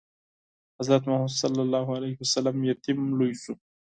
حضرت محمد ﷺ یتیم لوی شو.